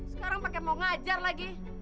sekarang pakai mau ngajar lagi